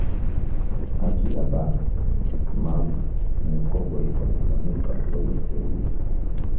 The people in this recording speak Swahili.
Haki ya ba mama mu kongo iko na lamuka pole pole